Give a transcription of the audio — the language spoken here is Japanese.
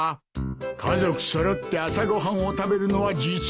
家族揃って朝ご飯を食べるのは実にいい！